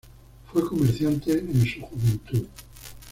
Fue comerciante en su juventud.